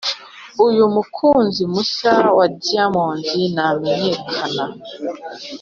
uyu mukunzi mushya wa diamond namenyekana